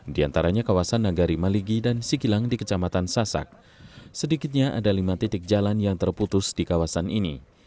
di antaranya kawasan nagari maligi dan sikilang di kecamatan sasak sedikitnya ada lima titik jalan yang terputus di kawasan ini